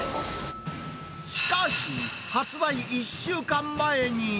しかし、発売１週間前に。